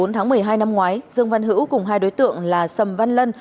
bốn tháng một mươi hai năm ngoái dương văn hữu cùng hai đối tượng là sầm văn lân